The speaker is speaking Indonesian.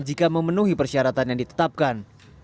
jika memenuhi persyaratan yang ditetapkan